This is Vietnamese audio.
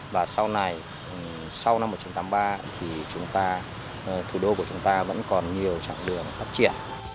và sau này sau năm một nghìn chín trăm tám mươi ba thì thủ đô của chúng ta vẫn còn nhiều trạng đường phát triển